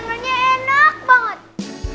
kalau enggak ini